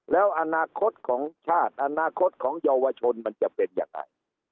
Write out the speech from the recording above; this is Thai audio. แล้วอนาคตของชาติอนาคตของเยาวชนมันจะเป็นยังไง